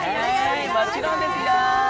もちろんですよ！